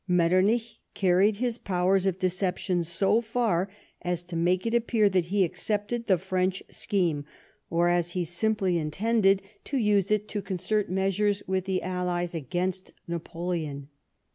Metternich carried his powers of deception so far as to make it appear that he accepted the French scheme, whereas he simply intended to use it THE SPBING OF 1813. 95 to concert measures with the allies against Napoleon.